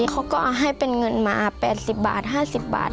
เขาก็ให้เป็นเงินมา๘๐๕๐บาท